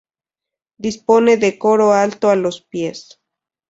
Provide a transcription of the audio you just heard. Dispone de coro alto a los pies.